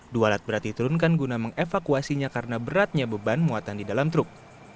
dua alat berat diturunkan guna mengevakuasinya karena beratnya beban muatan di dalam truk